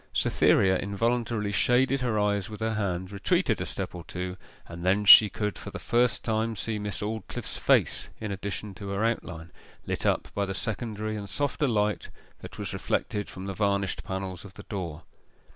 Cytherea involuntarily shaded her eyes with her hand, retreated a step or two, and then she could for the first time see Miss Aldclyffe's face in addition to her outline, lit up by the secondary and softer light that was reflected from the varnished panels of the door.